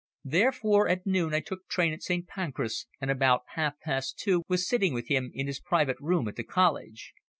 Therefore at noon I took train at St. Pancras, and about half past two was sitting with him in his private room at the college.